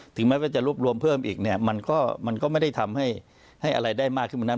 ถึงแม้ว่าจะรวบรวมเพิ่มอีกเนี่ยมันก็มันก็ไม่ได้ทำให้ให้อะไรได้มากขึ้นเหมือนนั้น